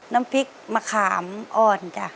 น้ำพริกมะขามอ่อนจ้ะ